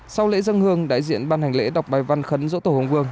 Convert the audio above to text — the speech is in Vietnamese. sau lễ dân hương đại diện ban hành lễ đọc bài văn khấn dỗ tổ hùng vương